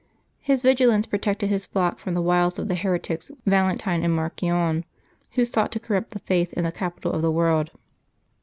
His vigilance protected his flock from the wiles of the heretics Valentine and Marcion, who sought to corrupt the faith in the capital of the world.